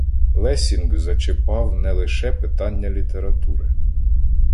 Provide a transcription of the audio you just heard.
Лессінґ зачипав не лише питання літератури.